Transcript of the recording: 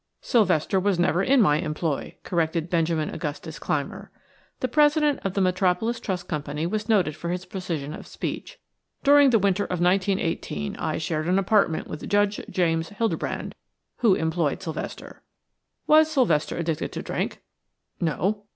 "Sylvester was never in my employ," corrected Benjamin Augustus Clymer. The president of the Metropolis Trust Company was noted for his precision of speech. "During the winter of 1918 I shared an apartment with Judge James Hildebrand, who employed Sylvester." "Was Sylvester addicted to drink?" "No."